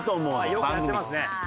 よくやってますね。